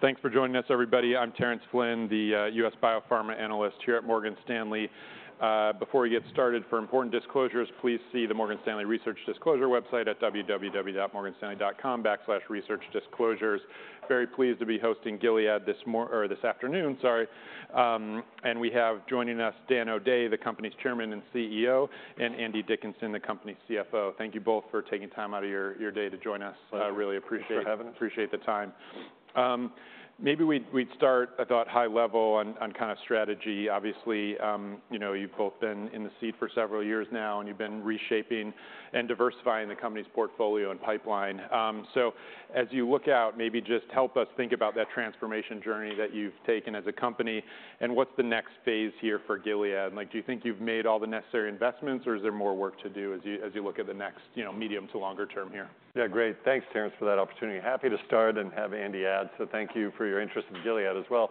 Thanks for joining us, everybody. I'm Terence Flynn, the US biopharma analyst here at Morgan Stanley. Before we get started, for important disclosures, please see the Morgan Stanley Research Disclosure website at www.morganstanley.com/researchdisclosures. Very pleased to be hosting Gilead this afternoon, sorry. And we have joining us, Dan O'Day, the company's Chairman and CEO, and Andy Dickinson, the company's CFO. Thank you both for taking time out of your day to join us. Pleasure. I really appreciate- Thanks for having us. Appreciate the time. Maybe we'd start, I thought, high level on kind of strategy. Obviously, you know, you've both been in the seat for several years now, and you've been reshaping and diversifying the company's portfolio and pipeline. So as you look out, maybe just help us think about that transformation journey that you've taken as a company, and what's the next phase here for Gilead? And, like, do you think you've made all the necessary investments, or is there more work to do as you look at the next, you know, medium to longer term here? Yeah, great. Thanks, Terence, for that opportunity. Happy to start and have Andy add, so thank you for your interest in Gilead as well.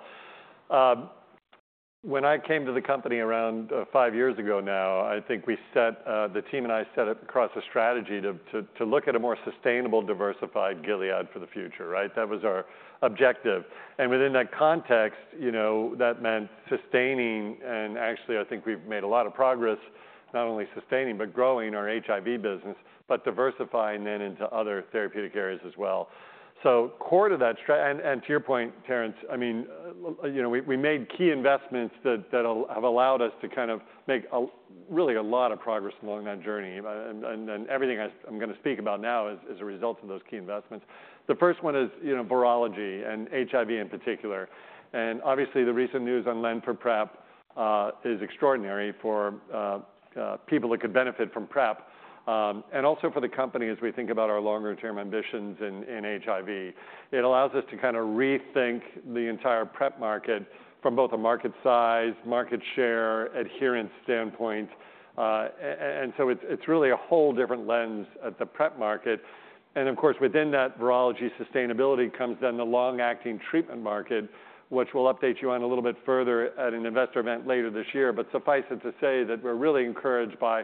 When I came to the company around five years ago now, I think the team and I set across a strategy to look at a more sustainable, diversified Gilead for the future, right? That was our objective. And within that context, you know, that meant sustaining, and actually, I think we've made a lot of progress not only sustaining, but growing our HIV business, but diversifying then into other therapeutic areas as well. So core to that strategy and to your point, Terence, I mean, you know, we made key investments that have allowed us to kind of make really a lot of progress along that journey. Everything I'm gonna speak about now is a result of those key investments. The first one is, you know, virology and HIV in particular. And obviously, the recent news on len for PrEP is extraordinary for people that could benefit from PrEP, and also for the company as we think about our longer-term ambitions in HIV. It allows us to kind of rethink the entire PrEP market from both a market size, market share, adherence standpoint, and so it's really a whole different lens at the PrEP market. And of course, within that virology sustainability comes then the long-acting treatment market, which we'll update you on a little bit further at an investor event later this year. But suffice it to say that we're really encouraged by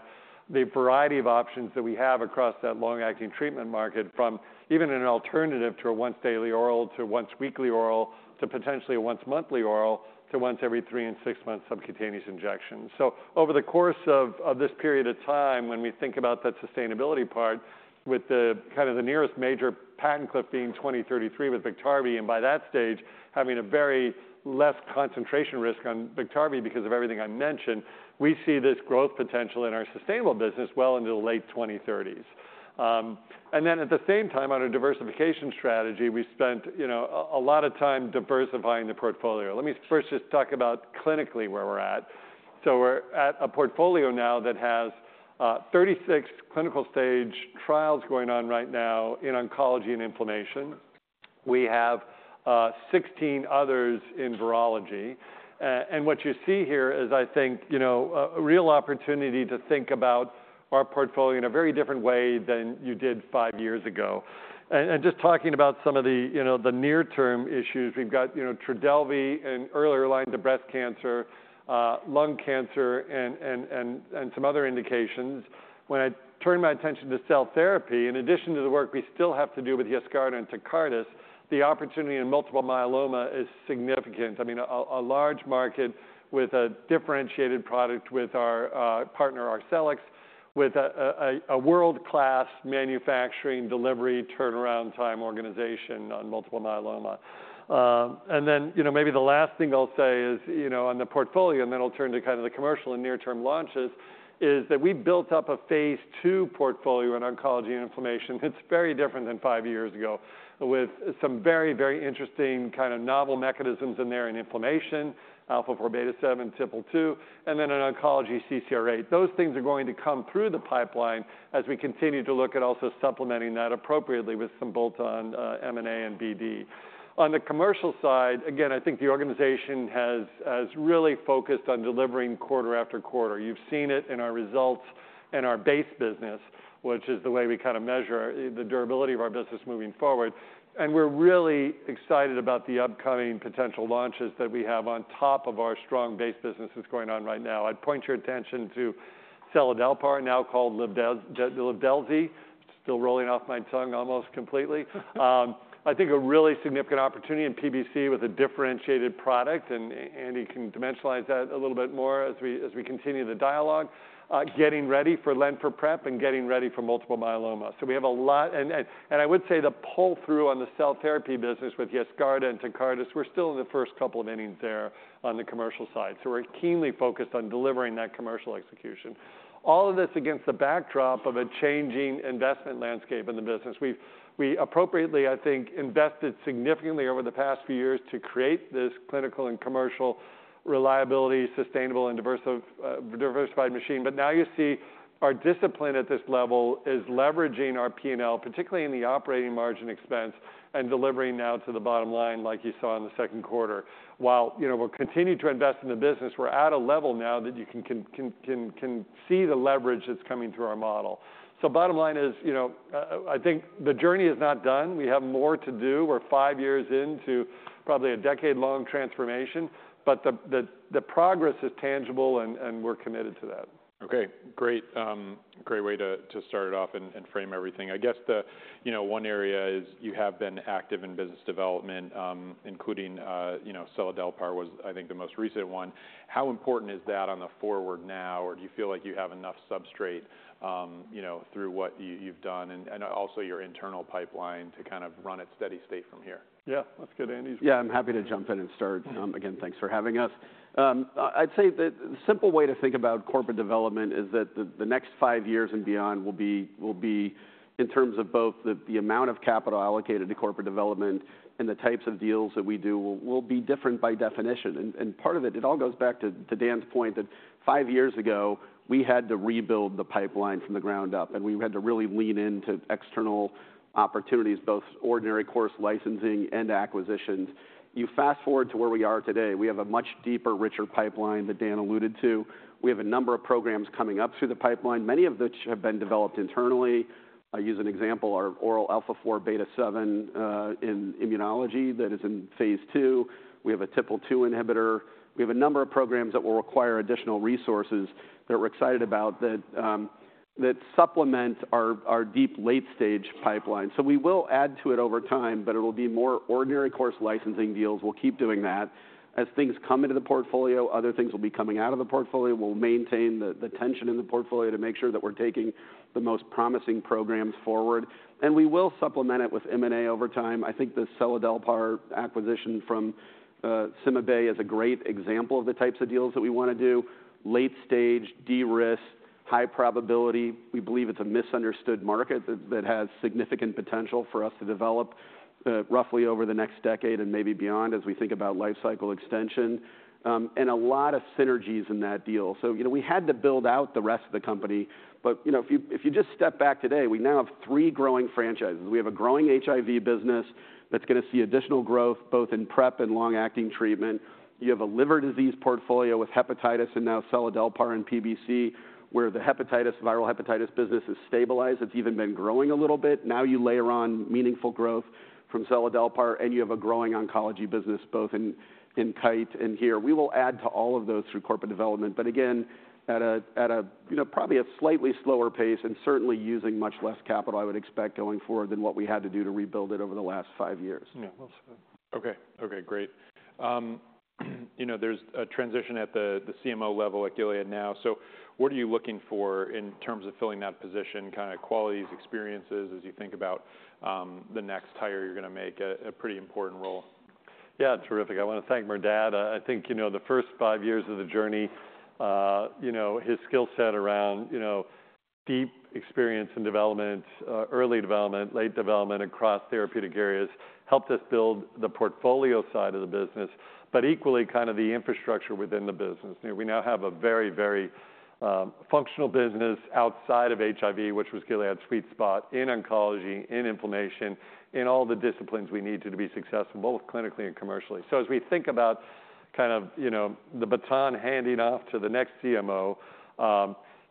the variety of options that we have across that long-acting treatment market, from even an alternative to a once-daily oral, to a once-weekly oral, to potentially a once-monthly oral, to once every three and six-month subcutaneous injection. So over the course of this period of time, when we think about that sustainability part, with the kind of the nearest major patent cliff being 2033 with Biktarvy, and by that stage, having a very less concentration risk on Biktarvy because of everything I mentioned, we see this growth potential in our sustainable business well into the late 2030s. And then at the same time, on a diversification strategy, we spent, you know, a lot of time diversifying the portfolio. Let me first just talk about clinically where we're at. So we're at a portfolio now that has 36 clinical stage trials going on right now in oncology and inflammation. We have 16 others in virology. And what you see here is, I think, you know, a real opportunity to think about our portfolio in a very different way than you did five years ago. And just talking about some of the, you know, the near-term issues, we've got, you know, Trodelvy, an earlier line to breast cancer, lung cancer, and some other indications. When I turn my attention to cell therapy, in addition to the work we still have to do with Yescarta and Tecartus, the opportunity in multiple myeloma is significant. I mean, a large market with a differentiated product, with our partner, Arcellx, with a world-class manufacturing, delivery, turnaround time organization on multiple myeloma. Then, you know, maybe the last thing I'll say is, you know, on the portfolio, and then I'll turn to kind of the commercial and near-term launches, is that we built up a phase II portfolio in oncology and inflammation. It's very different than five years ago, with some very, very interesting kind of novel mechanisms in there in inflammation, alpha-4 beta-7, TYK2, and then in oncology, CCR8. Those things are going to come through the pipeline as we continue to look at also supplementing that appropriately with some bolt-on M&A and BD. On the commercial side, again, I think the organization has really focused on delivering quarter after quarter. You've seen it in our results and our base business, which is the way we kind of measure the durability of our business moving forward. We're really excited about the upcoming potential launches that we have on top of our strong base business that's going on right now. I'd point your attention to seladelpar, now called Livdelzi, still rolling off my tongue almost completely. I think a really significant opportunity in PBC with a differentiated product, and Andy can dimensionalize that a little bit more as we continue the dialogue. Getting ready for lenacapavir for PrEP, and getting ready for multiple myeloma. So we have a lot, and I would say the pull through on the cell therapy business with Yescarta and Tecartus, we're still in the first couple of innings there on the commercial side. So we're keenly focused on delivering that commercial execution. All of this against the backdrop of a changing investment landscape in the business. We appropriately, I think, invested significantly over the past few years to create this clinical and commercial reliability, sustainable and diversified machine. But now you see our discipline at this level is leveraging our P&L, particularly in the operating margin expense, and delivering now to the bottom line, like you saw in the second quarter. While you know, we'll continue to invest in the business, we're at a level now that you can see the leverage that's coming to our model. So bottom line is, you know, I think the journey is not done. We have more to do. We're five years into probably a decade-long transformation, but the progress is tangible, and we're committed to that. Okay, great. Great way to start it off and frame everything. I guess the, you know, one area is you have been active in business development, including, you know, seladelpar was, I think, the most recent one. How important is that on the forward now, or do you feel like you have enough substrate, you know, through what you've done and also your internal pipeline to kind of run at steady state from here? Yeah, let's get Andy. Yeah, I'm happy to jump in and start. Again, thanks for having us. I'd say the simple way to think about corporate development is that the next five years and beyond will be, in terms of both the amount of capital allocated to corporate development and the types of deals that we do, different by definition. Part of it all goes back to Dan's point, that five years ago, we had to rebuild the pipeline from the ground up, and we had to really lean into external opportunities, both ordinary course licensing and acquisitions. You fast forward to where we are today, we have a much deeper, richer pipeline that Dan alluded to. We have a number of programs coming up through the pipeline, many of which have been developed internally. I'll use an example, our oral alpha-4 beta-7 in immunology that is in phase two. We have a TYK2 inhibitor. We have a number of programs that will require additional resources that we're excited about that supplement our deep late stage pipeline. So we will add to it over time, but it'll be more ordinary course licensing deals. We'll keep doing that. As things come into the portfolio, other things will be coming out of the portfolio. We'll maintain the tension in the portfolio to make sure that we're taking the most promising programs forward, and we will supplement it with M&A over time. I think the seladelpar acquisition from CymaBay is a great example of the types of deals that we wanna do. Late stage, de-risk, high probability. We believe it's a misunderstood market that has significant potential for us to develop roughly over the next decade and maybe beyond, as we think about life cycle extension and a lot of synergies in that deal, so you know, we had to build out the rest of the company, but you know, if you just step back today, we now have three growing franchises. We have a growing HIV business that's gonna see additional growth, both in PrEP and long-acting treatment. You have a liver disease portfolio with hepatitis and now Seladelpar and PBC, where the hepatitis, viral hepatitis business has stabilized. It's even been growing a little bit. Now, you layer on meaningful growth from Seladelpar, and you have a growing oncology business, both in Kite and here. We will add to all of those through corporate development, but again, at a, you know, probably a slightly slower pace and certainly using much less capital, I would expect, going forward, than what we had to do to rebuild it over the last five years. Yeah, well said. Okay. Okay, great. You know, there's a transition at the CMO level at Gilead now. So what are you looking for in terms of filling that position? Kind of qualities, experiences, as you think about the next hire you're gonna make, a pretty important role. Yeah, terrific. I wanna thank Merdad. I think, you know, the first five years of the journey, you know, his skill set around, you know, deep experience in development, early development, late development across therapeutic areas, helped us build the portfolio side of the business, but equally, kind of the infrastructure within the business. You know, we now have a very, very, functional business outside of HIV, which was Gilead's sweet spot in oncology, in inflammation, in all the disciplines we need to be successful, both clinically and commercially. So as we think about kind of, you know, the baton handing off to the next CMO,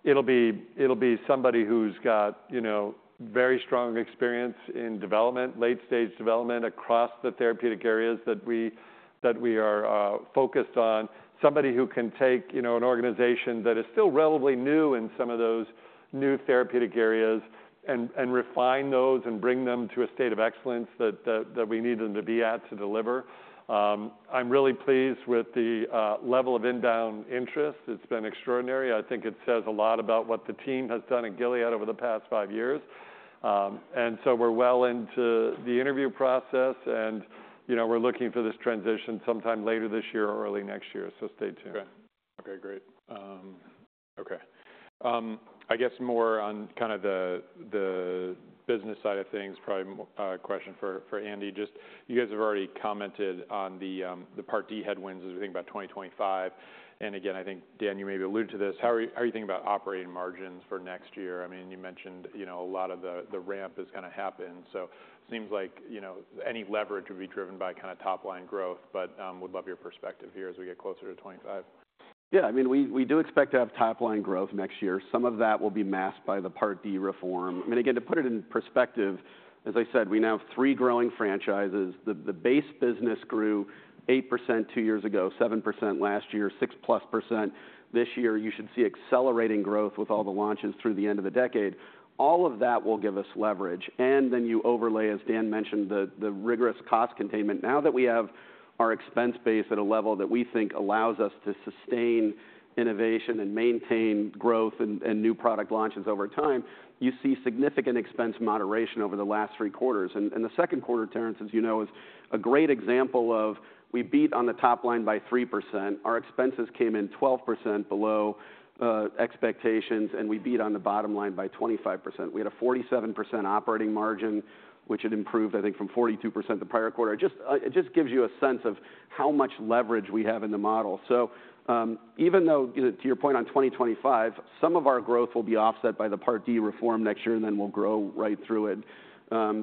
it'll be somebody who's got, you know, very strong experience in development, late stage development across the therapeutic areas that we are focused on. Somebody who can take, you know, an organization that is still relatively new in some of those new therapeutic areas and refine those and bring them to a state of excellence that we need them to be at to deliver. I'm really pleased with the level of inbound interest. It's been extraordinary. I think it says a lot about what the team has done at Gilead over the past five years. And so we're well into the interview process, and, you know, we're looking for this transition sometime later this year or early next year, so stay tuned. Okay. Okay, great. Okay. I guess more on kind of the business side of things, probably more, a question for, for Andy. Just, you guys have already commented on the Part D headwinds as we think about 2025, and again, I think, Dan, you maybe alluded to this. How are you thinking about operating margins for next year? I mean, you mentioned, you know, a lot of the ramp is gonna happen, so seems like, you know, any leverage would be driven by kind of top-line growth, but, would love your perspective here as we get closer to 2025. Yeah, I mean, we do expect to have top-line growth next year. Some of that will be masked by the Part D reform. I mean, again, to put it in perspective. As I said, we now have three growing franchises. The base business grew 8% two years ago, 7% last year, 6% plus this year. You should see accelerating growth with all the launches through the end of the decade. All of that will give us leverage, and then you overlay, as Dan mentioned, the rigorous cost containment. Now that we have our expense base at a level that we think allows us to sustain innovation and maintain growth and new product launches over time, you see significant expense moderation over the last three quarters. The second quarter, Terence, as you know, is a great example of we beat on the top line by 3%. Our expenses came in 12% below expectations, and we beat on the bottom line by 25%. We had a 47% operating margin, which had improved, I think, from 42% the prior quarter. It just gives you a sense of how much leverage we have in the model. So, even though, you know, to your point on 2025, some of our growth will be offset by the Part D reform next year, and then we'll grow right through it.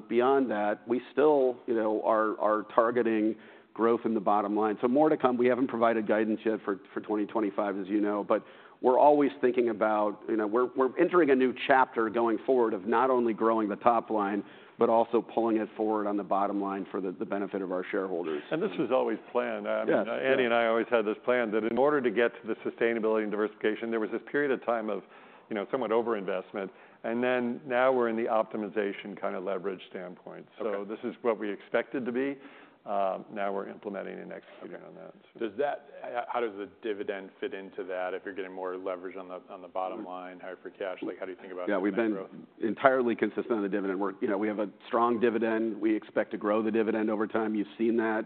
Beyond that, we still, you know, are targeting growth in the bottom line. So more to come, we haven't provided guidance yet for 2025, as you know, but we're always thinking about... You know, we're entering a new chapter going forward of not only growing the top line, but also pulling it forward on the bottom line for the benefit of our shareholders. This was always planned. Yes. I mean, Andy and I always had this plan that in order to get to the sustainability and diversification, there was this period of time of, you know, somewhat overinvestment, and then, now we're in the optimization kind of leverage standpoint. Okay. So this is what we expected to be, now we're implementing and executing on that. How does the dividend fit into that, if you're getting more leverage on the bottom line, higher free cash? Like, how do you think about dividend growth? Yeah, we've been entirely consistent on the dividend. We're, you know, we have a strong dividend. We expect to grow the dividend over time. You've seen that.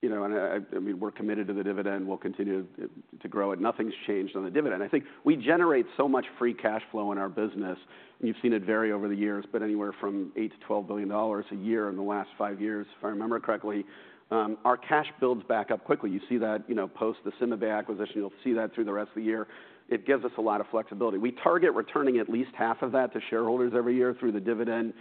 You know, and I mean, we're committed to the dividend. We'll continue to grow it. Nothing's changed on the dividend. I think we generate so much free cash flow in our business, and you've seen it vary over the years, but anywhere from $8 billion-$12 billion a year in the last five years, if I remember correctly. Our cash builds back up quickly. You see that, you know, post the CymaBay acquisition. You'll see that through the rest of the year. It gives us a lot of flexibility. We target returning at least half of that to shareholders every year through the dividend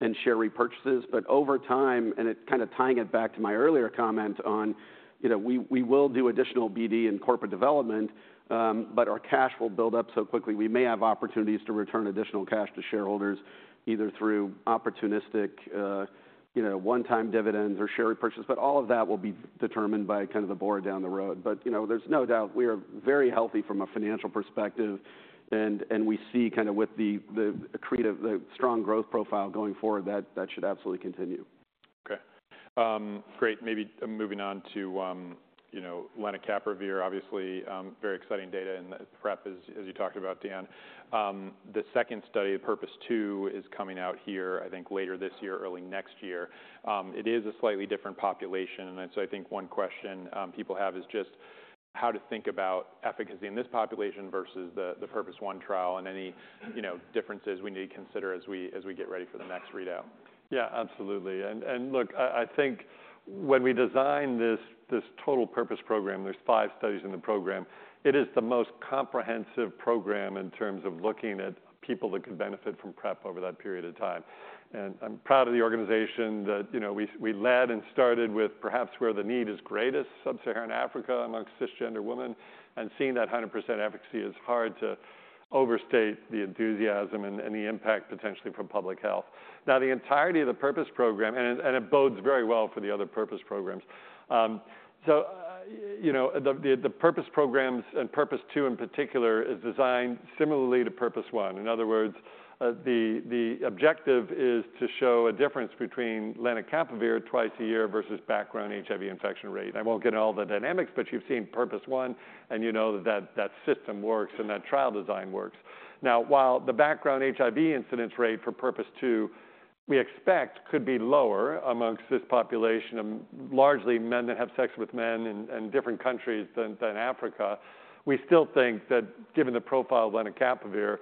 and share repurchases. But over time, and it... Kind of tying it back to my earlier comment on, you know, we will do additional BD and corporate development, but our cash will build up so quickly. We may have opportunities to return additional cash to shareholders, either through opportunistic, you know, one-time dividends or share repurchase, but all of that will be determined by kind of the board down the road. But, you know, there's no doubt we are very healthy from a financial perspective, and we see kind of with the accretive, the strong growth profile going forward, that should absolutely continue. Okay. Great. Maybe moving on to, you know, lenacapavir, obviously, very exciting data in PrEP, as you talked about, Dan. The second study, PURPOSE 2, is coming out here, I think, later this year, early next year. It is a slightly different population, and so I think one question people have is just how to think about efficacy in this population versus the PURPOSE 1 trial and any, you know, differences we need to consider as we get ready for the next readout. Yeah, absolutely. And look, I think when we design this total PURPOSE program, there's five studies in the program. It is the most comprehensive program in terms of looking at people that could benefit from PrEP over that period of time. And I'm proud of the organization that, you know, we led and started with perhaps where the need is greatest, sub-Saharan Africa, among cisgender women, and seeing that 100% efficacy. It's hard to overstate the enthusiasm and the impact potentially for public health. Now, the entirety of the PURPOSE program... And it bodes very well for the other PURPOSE programs. So, you know, the PURPOSE programs, and PURPOSE 2 in particular, is designed similarly to PURPOSE 1. In other words, the objective is to show a difference between lenacapavir twice a year versus background HIV infection rate. I won't get into all the dynamics, but you've seen Purpose One, and you know that system works and that trial design works. Now, while the background HIV incidence rate for Purpose Two we expect could be lower amongst this population of largely men that have sex with men in different countries than Africa, we still think that given the profile of lenacapavir,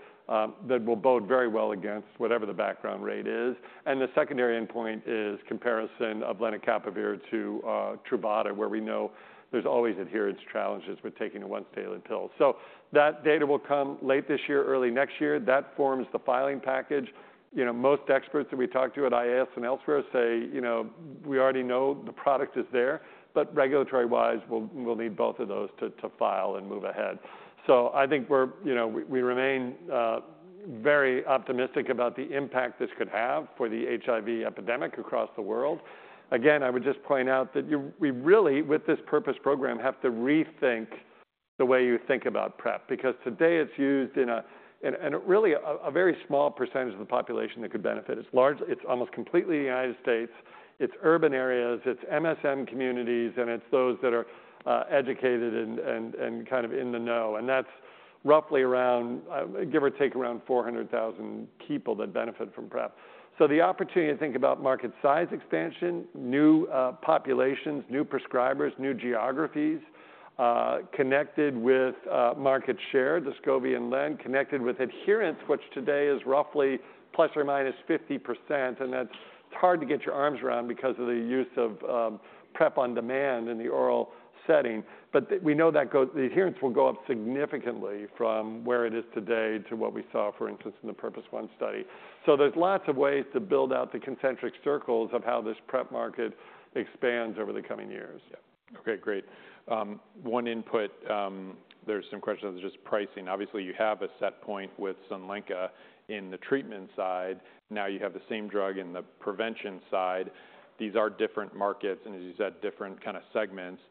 that will bode very well against whatever the background rate is. And the secondary endpoint is comparison of lenacapavir to Truvada, where we know there's always adherence challenges with taking a once daily pill. So that data will come late this year, early next year. That forms the filing package. You know, most experts that we talk to at IAS and elsewhere say, "You know, we already know the product is there, but regulatory-wise, we'll need both of those to file and move ahead." So I think we're, you know, we remain very optimistic about the impact this could have for the HIV epidemic across the world. Again, I would just point out that we really, with this PURPOSE program, have to rethink the way you think about PrEP, because today it's used in a really very small percentage of the population that could benefit. It's almost completely United States, it's urban areas, it's MSM communities, and it's those that are educated and kind of in the know, and that's roughly around, give or take, around 400,000 people that benefit from PrEP. So the opportunity to think about market size expansion, new populations, new prescribers, new geographies, connected with market share, Descovy and Len, connected with adherence, which today is roughly plus or minus 50%, and that's hard to get your arms around because of the use of PrEP on demand and the oral setting, but we know that the adherence will go up significantly from where it is today to what we saw, for instance, in the PURPOSE 1 study. So there's lots of ways to build out the concentric circles of how this PrEP market expands over the coming years. Yeah. Okay, great. One input, there's some questions on just pricing. Obviously, you have a set point with Sunlenca in the treatment side. Now you have the same drug in the prevention side. These are different markets, and as you said, different kinda segments,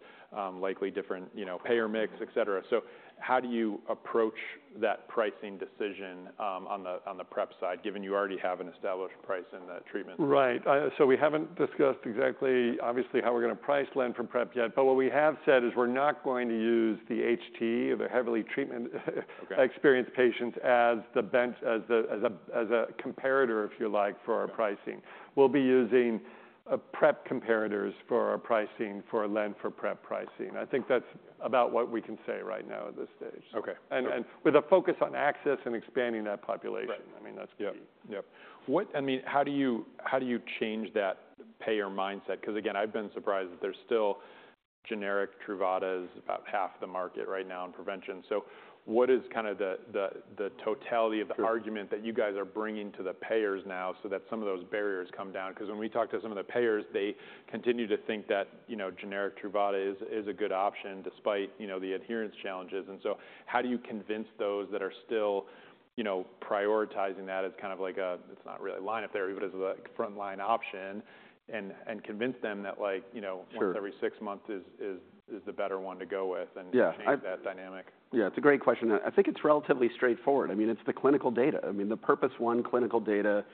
likely different, you know, payer mix, et cetera. So how do you approach that pricing decision, on the PrEP side, given you already have an established price in the treatment? Right. So we haven't discussed exactly, obviously, how we're gonna price Len for PrEP yet, but what we have said is we're not going to use the heavily treatment-experienced - Okay experienced patients as the benchmark as a comparator, if you like, for our pricing. We'll be using PrEP comparators for our pricing, for Len, for PrEP pricing. I think that's about what we can say right now at this stage. Okay. With a focus on access and expanding that population. Right. I mean, that's key. Yep. Yep. What... I mean, how do you change that payer mindset? 'Cause again, I've been surprised that there's still generic Truvadas about half the market right now in prevention. So what is kind of the totality of the- Sure argument that you guys are bringing to the payers now, so that some of those barriers come down? 'Cause when we talk to some of the payers, they continue to think that, you know, generic Truvada is a good option, despite, you know, the adherence challenges. And so how do you convince those that are still, you know, prioritizing that as kind of like a, it's not really line of therapy, but as a, like, frontline option, and convince them that, like, you know- Sure... once every six months is the better one to go with, and- Yeah, I- - change that dynamic? Yeah, it's a great question, and I think it's relatively straightforward. I mean, it's the clinical data. I mean, the PURPOSE 1 clinical data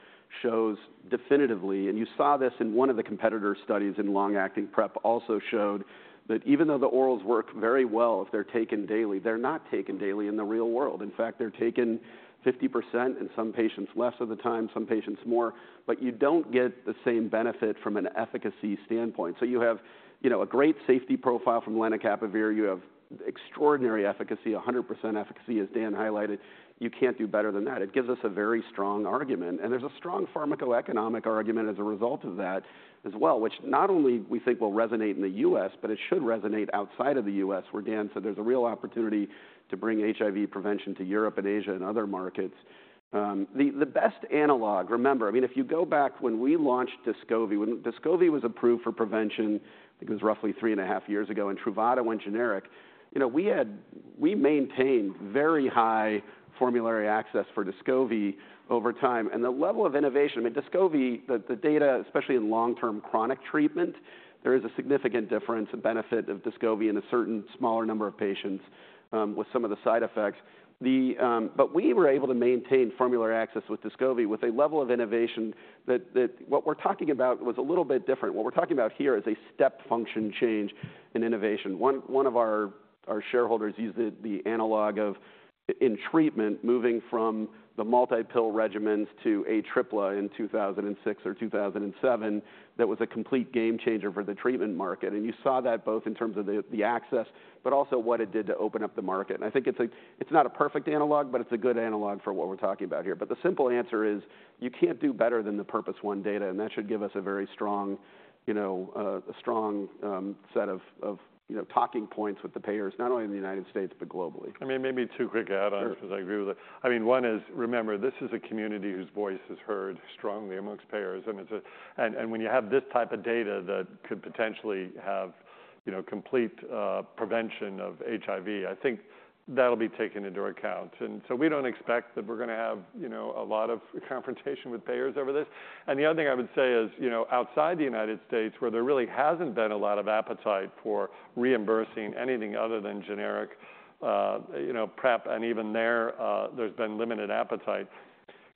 shows definitively, and you saw this in one of the competitor studies in long-acting PrEP also showed, that even though the orals work very well, if they're taken daily, they're not taken daily in the real world. In fact, they're taken 50%, in some patients, less of the time, some patients more, but you don't get the same benefit from an efficacy standpoint. So you have, you know, a great safety profile from lenacapavir. You have extraordinary efficacy, 100% efficacy, as Dan highlighted. You can't do better than that. It gives us a very strong argument, and there's a strong pharmacoeconomic argument as a result of that as well, which not only we think will resonate in the US, but it should resonate outside of the US, where Dan said there's a real opportunity to bring HIV prevention to Europe and Asia and other markets. The best analog... Remember, I mean, if you go back when we launched Descovy, when Descovy was approved for prevention, I think it was roughly three and a half years ago, and Truvada went generic, you know, we had we maintained very high formulary access for Descovy over time. And the level of innovation, I mean, Descovy, the data, especially in long-term chronic treatment, there is a significant difference and benefit of Descovy in a certain smaller number of patients, with some of the side effects. The But we were able to maintain formulary access with Descovy, with a level of innovation that what we're talking about was a little bit different. What we're talking about here is a step function change in innovation. One of our shareholders used the analog in treatment, moving from the multi-pill regimens to Atripla in two thousand and six or two thousand and seven. That was a complete game changer for the treatment market, and you saw that both in terms of the access, but also what it did to open up the market. And I think it's not a perfect analog, but it's a good analog for what we're talking about here. But the simple answer is, you can't do better than the PURPOSE 1 data, and that should give us a very strong, you know, set of, you know, talking points with the payers, not only in the United States, but globally. I mean, maybe two quick add-ons- Sure... 'cause I agree with that. I mean, one is, remember, this is a community whose voice is heard strongly amongst payers, and it's a... And when you have this type of data that could potentially have, you know, complete prevention of HIV, I think that'll be taken into account. And so we don't expect that we're gonna have, you know, a lot of confrontation with payers over this. And the other thing I would say is, you know, outside the United States, where there really hasn't been a lot of appetite for reimbursing anything other than generic, you know, PrEP, and even there, there's been limited appetite.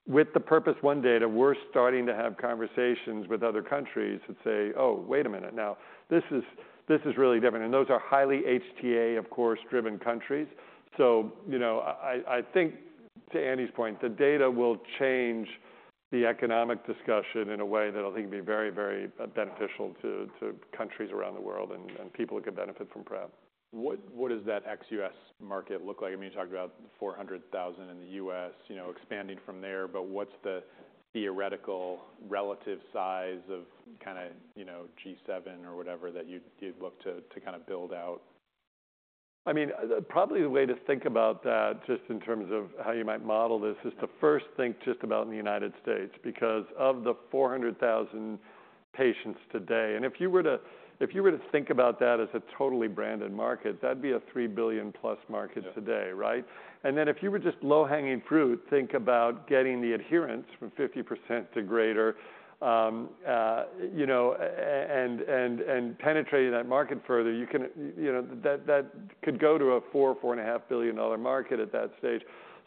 With the Purpose One data, we're starting to have conversations with other countries that say, "Oh, wait a minute. Now, this is, this is really different." And those are highly HTA, of course, driven countries. You know, I think to Andy's point, the data will change the economic discussion in a way that I think will be very, very beneficial to countries around the world and people who could benefit from PrEP. What does that ex-US market look like? I mean, you talked about 400,000 in the US, you know, expanding from there, but what's the theoretical relative size of kinda, you know, G7 or whatever, that you'd look to, to kinda build out? I mean, probably the way to think about that, just in terms of how you might model this, is to first think just about in the United States, because of the 400,000 patients today... And if you were to think about that as a totally branded market, that'd be a $3 billion plus market today- Yeah... right? And then, if you were just low-hanging fruit, think about getting the adherence from 50% to greater, you know, penetrating that market further, you can, you know, that, that could go to a $4-$4.5 billion market at that stage.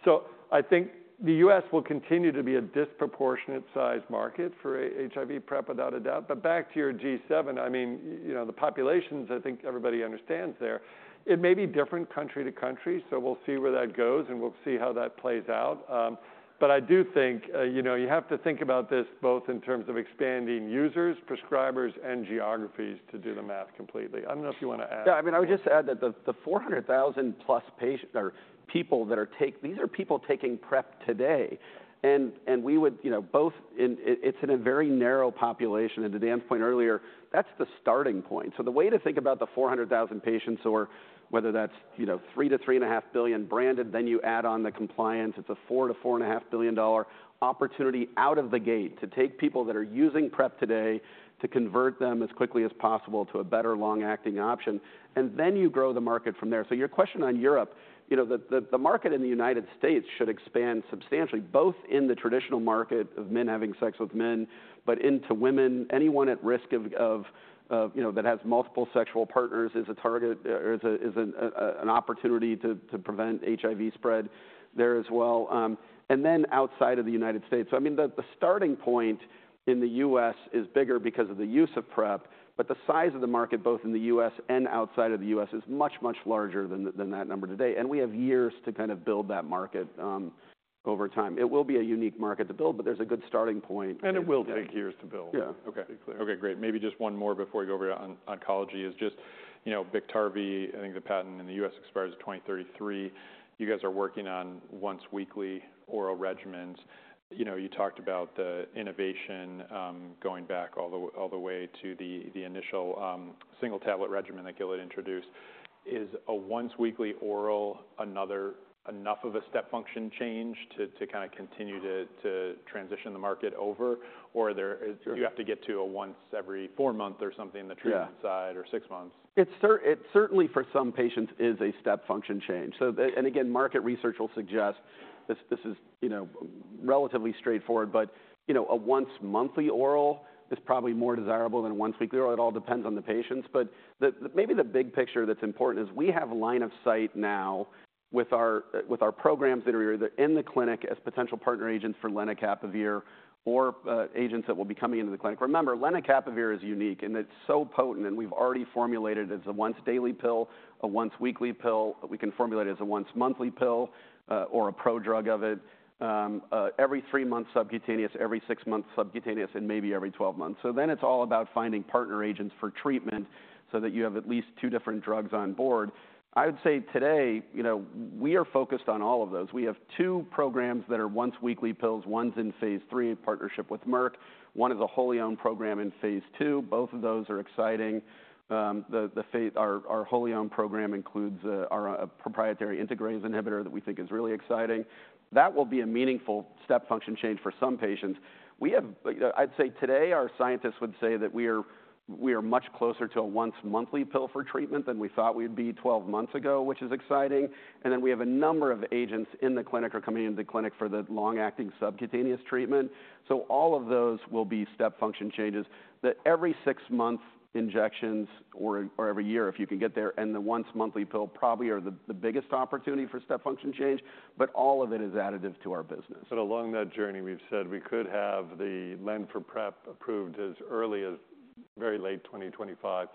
So I think the U.S. will continue to be a disproportionate size market for HIV PrEP, without a doubt. Back to your G7, I mean, you know, the populations, I think everybody understands there. It may be different country to country, so we'll see where that goes, and we'll see how that plays out. But I do think, you know, you have to think about this both in terms of expanding users, prescribers, and geographies to do the math completely. I don't know if you want to add? Yeah, I mean, I would just add that the 400,000 plus patients or people that are taking these are people taking PrEP today, and we would, you know, both in it's in a very narrow population, and to Dan's point earlier, that's the starting point. So the way to think about the 400,000 patients or whether that's, you know, $3-$3.5 billion branded, then you add on the compliance, it's a $4-$4.5 billion dollar opportunity out of the gate to take people that are using PrEP today, to convert them as quickly as possible to a better long-acting option, and then you grow the market from there. So your question on Europe, you know, the market in the United States should expand substantially, both in the traditional market of men having sex with men, but into women. Anyone at risk of, you know, that has multiple sexual partners is a target, is an opportunity to prevent HIV spread there as well, and then outside of the United States. So I mean, the starting point in the US is bigger because of the use of PrEP, but the size of the market, both in the US and outside of the US, is much, much larger than that number today. And we have years to kind of build that market over time. It will be a unique market to build, but there's a good starting point. It will take years to build. Yeah. Okay. Okay, great. Maybe just one more before we go over to oncology is just, you know, Biktarvy. I think the patent in the US expires in twenty thirty-three. You guys are working on once-weekly oral regimens. You know, you talked about the innovation, going back all the way to the initial single tablet regimen that Gilead introduced. Is a once weekly oral another enough of a step function change to kind of continue to transition the market over? Or there- Sure... You have to get to a once every four month or something, the treatment- Yeah -side or six months. It certainly, for some patients, is a step function change. Again, market research will suggest this. This is, you know, relatively straightforward, but, you know, a once monthly oral is probably more desirable than a once weekly oral. It all depends on the patients, but maybe the big picture that's important is we have line of sight now with our programs that are either in the clinic as potential partner agents for lenacapavir or agents that will be coming into the clinic. Remember, lenacapavir is unique, and it's so potent, and we've already formulated it as a once daily pill, a once weekly pill. We can formulate it as a once monthly pill, or a prodrug of it, every three months subcutaneous, every six months subcutaneous, and maybe every twelve months. So then it's all about finding partner agents for treatment so that you have at least two different drugs on board. I would say today, you know, we are focused on all of those. We have two programs that are once weekly pills. One's in phase III in partnership with Merck. One is a wholly owned program in phase II. Both of those are exciting. Our wholly owned program includes our proprietary integrase inhibitor that we think is really exciting. That will be a meaningful step function change for some patients. We have, I'd say today, our scientists would say that we are much closer to a once monthly pill for treatment than we thought we'd be 12 months ago, which is exciting. And then we have a number of agents in the clinic or coming into the clinic for the long-acting subcutaneous treatment. So all of those will be step function changes. The every six months injections, or, or every year, if you can get there, and the once monthly pill probably are the, the biggest opportunity for step function change, but all of it is additive to our business. But along that journey, we've said we could have the len for PrEP approved as early as very late 2025.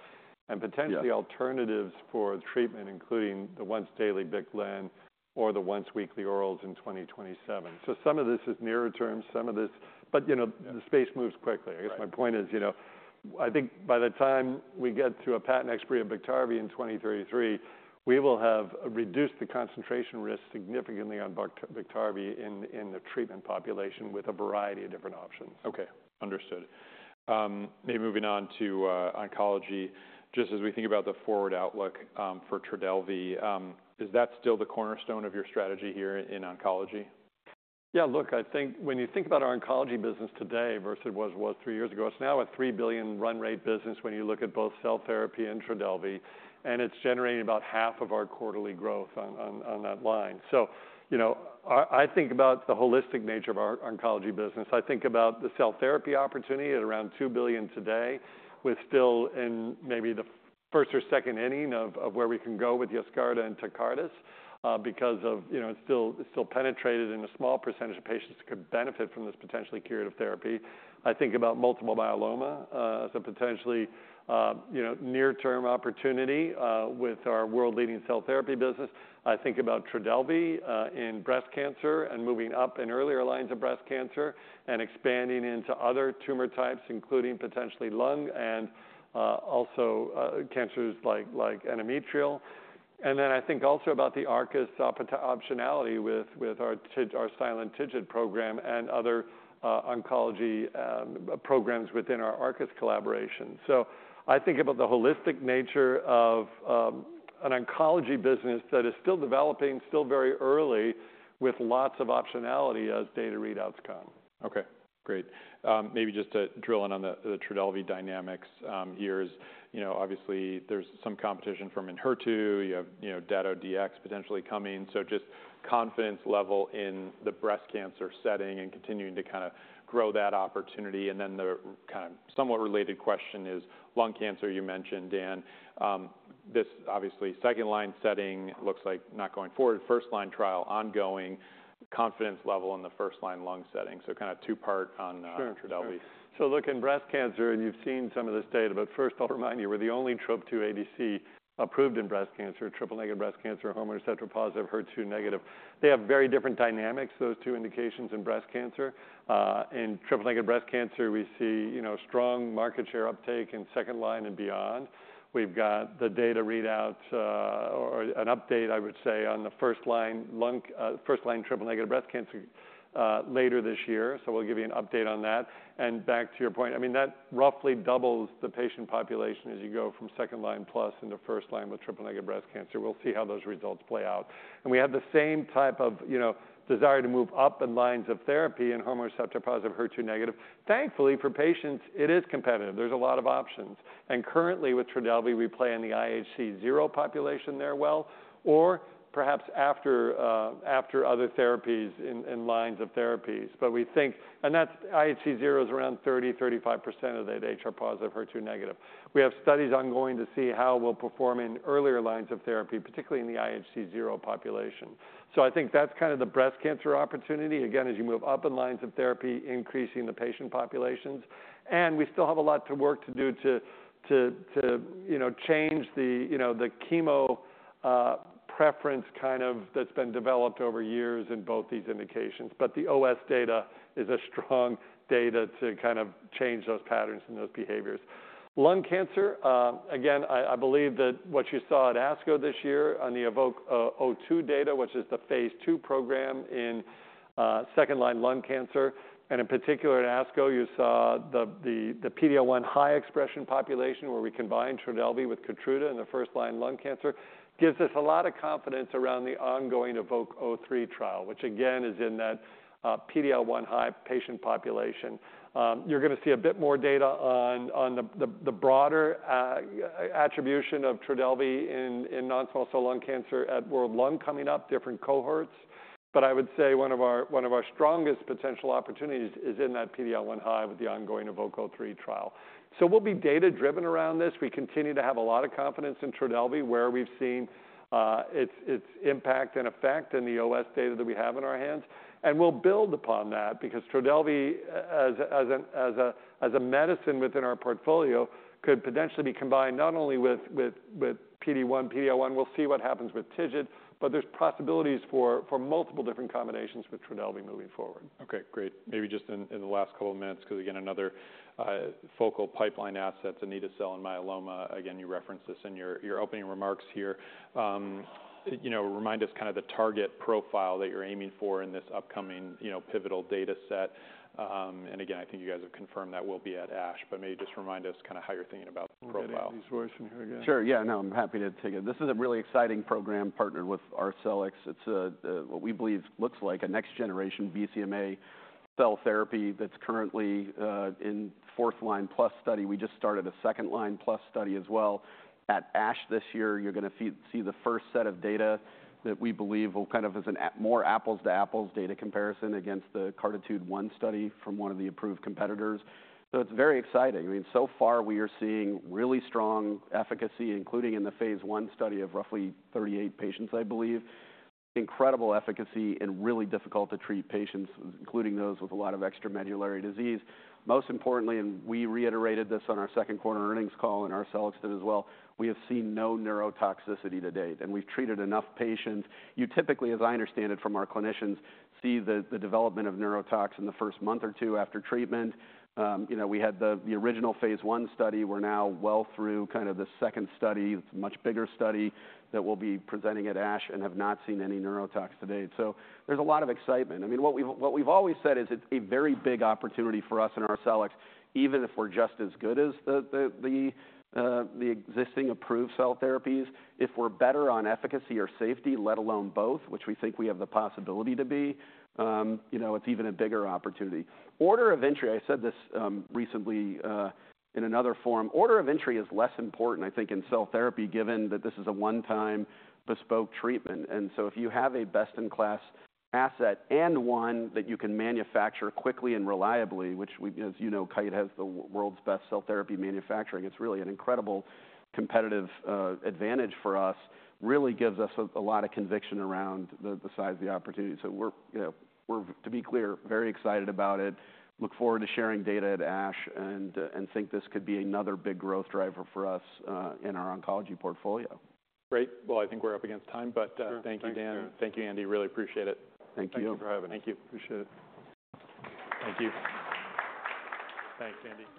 Yeah. Potentially alternatives for treatment, including the once daily BIK/LEN or the once weekly orals in 2027. Some of this is nearer term, some of this, but you know, the space moves quickly. Right. I guess my point is, you know, I think by the time we get to a patent expiry of Biktarvy in 2033, we will have reduced the concentration risk significantly on Biktarvy in the treatment population with a variety of different options. Okay. Understood. Maybe moving on to oncology, just as we think about the forward outlook for Trodelvy, is that still the cornerstone of your strategy here in oncology? Yeah, look, I think when you think about our oncology business today versus what it was three years ago, it's now a three billion run rate business when you look at both cell therapy and Trodelvy, and it's generating about half of our quarterly growth on that line. So you know, I think about the holistic nature of our oncology business. I think about the cell therapy opportunity at around two billion today. We're still in maybe the first or second inning of where we can go with Yescarta and Tecartus, because you know, it's still penetrated in a small percentage of patients who could benefit from this potentially curative therapy. I think about multiple myeloma as a potentially you know, near-term opportunity with our world-leading cell therapy business. I think about Trodelvy in breast cancer and moving up in earlier lines of breast cancer and expanding into other tumor types, including potentially lung and also cancers like endometrial. I think also about the Arcus optionality with our silent TIGIT program and other oncology programs within our Arcus collaboration. I think about the holistic nature of an oncology business that is still developing, still very early, with lots of optionality as data readouts come. Okay, great. Maybe just to drill in on the Trodelvy dynamics, here is, you know, obviously there's some competition from Enhertu. You have, you know, Dato-DXd potentially coming. So just confidence level in the breast cancer setting and continuing to kind of grow that opportunity. And then the kind of somewhat related question is lung cancer, you mentioned, Dan. This obviously second-line setting looks like not going forward. First line trial, ongoing confidence level in the first-line lung setting. So kind of two-part on Trodelvy. Sure. So look, in breast cancer, and you've seen some of this data, but first I'll remind you, we're the only Trop-2 ADC approved in breast cancer, triple-negative breast cancer, hormone receptor-positive, HER2-negative. They have very different dynamics, those two indications in breast cancer. In triple-negative breast cancer, we see, you know, strong market share uptake in second line and beyond. We've got the data readout, or an update, I would say, on the first-line triple-negative breast cancer later this year. So we'll give you an update on that. And back to your point, I mean, that roughly doubles the patient population as you go from second line plus into first line with triple-negative breast cancer. We'll see how those results play out. And we have the same type of, you know, desire to move up in lines of therapy and hormone receptor positive, HR-positive, HER2-negative. Thankfully, for patients, it is competitive. There's a lot of options, and currently with Trodelvy, we play in the IHC0 population there well or perhaps after other therapies in lines of therapies. But we think... And that's IHC0 is around 30-35% of that HR-positive, HER2-negative. We have studies ongoing to see how we'll perform in earlier lines of therapy, particularly in the IHC0 population. So I think that's kind of the breast cancer opportunity. Again, as you move up in lines of therapy, increasing the patient populations, and we still have a lot to work to do to, you know, change the, you know, the chemo preference kind of that's been developed over years in both these indications. But the OS data is a strong data to kind of change those patterns and those behaviors. Lung cancer, again, I believe that what you saw at ASCO this year on the EVOKE-02 data, which is the phase two program in second-line lung cancer, and in particular at ASCO, you saw the PD-L1 high expression population, where we combined Trodelvy with Keytruda in the first-line lung cancer, gives us a lot of confidence around the ongoing EVOKE-03 trial, which again, is in that PD-L1 high patient population. You're gonna see a bit more data on the broader attribution of Trodelvy in non-small cell lung cancer at World Lung, coming up, different cohorts. But I would say one of our strongest potential opportunities is in that PD-L1 high with the ongoing EVOKE-03 trial. So we'll be data-driven around this. We continue to have a lot of confidence in Trodelvy, where we've seen its impact and effect in the OS data that we have in our hands, and we'll build upon that because Trodelvy as a medicine within our portfolio, could potentially be combined not only with PD-1, PD-L1, we'll see what happens with TIGIT, but there's possibilities for multiple different combinations with Trodelvy moving forward. Okay, great. Maybe just in the last couple of minutes, because again, another focal pipeline asset, anito-cel in myeloma. Again, you referenced this in your opening remarks here. You know, remind us kind of the target profile that you're aiming for in this upcoming, you know, pivotal data set. And again, I think you guys have confirmed that will be at ASH, but maybe just remind us kind of how you're thinking about the profile. Sure. Yeah, no, I'm happy to take it. This is a really exciting program, partnered with Arcellx. It's a what we believe looks like a next-generation BCMA cell therapy that's currently in fourth line plus study. We just started a second line plus study as well. At ASH this year, you're gonna see the first set of data that we believe will kind of as a more apples to apples data comparison against the CARTITUDE-1 study from one of the approved competitors. So it's very exciting. I mean, so far we are seeing really strong efficacy, including in the phase one study of roughly thirty-eight patients, I believe. Incredible efficacy and really difficult to treat patients, including those with a lot of extramedullary disease. Most importantly, and we reiterated this on our second quarter earnings call, and Arcellx did as well, we have seen no neurotoxicity to date, and we've treated enough patients. You typically, as I understand it from our clinicians, see the development of neurotoxicity the first month or two after treatment. You know, we had the original phase one study. We're now well through kind of the second study. It's a much bigger study that we'll be presenting at ASH and have not seen any neurotoxicity to date. So there's a lot of excitement. I mean, what we've always said is it's a very big opportunity for us and Arcellx, even if we're just as good as the existing approved cell therapies. If we're better on efficacy or safety, let alone both, which we think we have the possibility to be, you know, it's even a bigger opportunity. Order of entry, I said this recently in another forum. Order of entry is less important, I think, in cell therapy, given that this is a one-time bespoke treatment. And so if you have a best-in-class asset and one that you can manufacture quickly and reliably, which we, as you know, Kite has the world's best cell therapy manufacturing. It's really an incredible competitive advantage for us. Really gives us a lot of conviction around the size of the opportunity. So we're, you know, to be clear, very excited about it. Look forward to sharing data at ASH and think this could be another big growth driver for us in our oncology portfolio. Great. Well, I think we're up against time, but. Sure... Thank you, Dan. Thank you, Andy. Really appreciate it. Thank you. Thank you for having me. Thank you. Appreciate it. Thank you. Thanks, Andy.